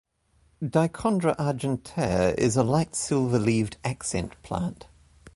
"Dichondra argentea" is a light silver leaved accent plant.